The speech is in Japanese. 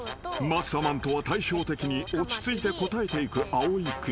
［マッサマンとは対照的に落ち着いて答えていくあおい君］